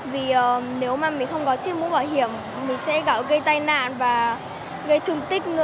vì nếu mà mình không có chiếc mũ bảo hiểm mình sẽ gạo gây tai nạn và gây thương tích nữa